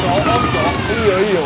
いいよいいよ。